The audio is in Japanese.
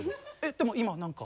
でも今何か。